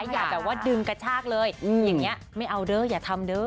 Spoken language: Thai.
อย่าแบบว่าดึงกระชากเลยอย่างนี้ไม่เอาเด้ออย่าทำเด้อ